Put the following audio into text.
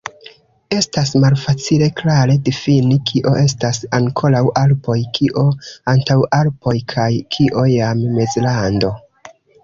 Estas malfacile klare difini, kio estas ankoraŭ Alpoj, kio Antaŭalpoj kaj kio jam Mezlando.